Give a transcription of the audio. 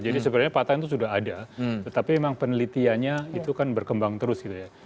jadi sebenarnya patahan itu sudah ada tetapi memang penelitiannya itu kan berkembang terus gitu ya